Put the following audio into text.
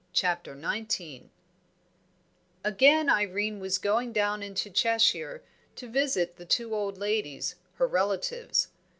CHAPTER XIX Again Irene was going down into Cheshire, to visit the two old ladies, her relatives.